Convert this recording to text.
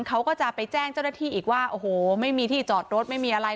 เขาก็จะไปแจ้งเจ้าหน้าที่อีกว่าโอ้โหไม่มีที่จอดรถไม่มีอะไร